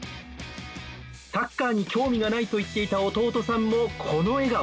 サッカーに興味がないといっていた弟さんもこの笑顔。